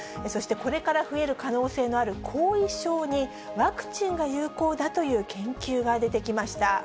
そしてこれから増える可能性のある後遺症に、ワクチンが有効だという研究が出てきました。